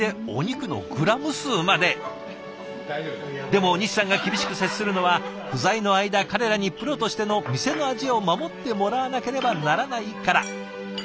でも西さんが厳しく接するのは不在の間彼らにプロとしての店の味を守ってもらわなければならないから。